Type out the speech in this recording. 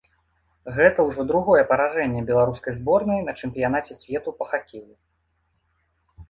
Гэта ўжо другое паражэнне беларускай зборнай на чэмпіянаце свету па хакеі.